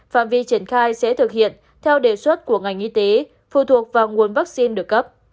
phạm vi triển khai sẽ thực hiện theo đề xuất của ngành y tế phụ thuộc vào nguồn vaccine được cấp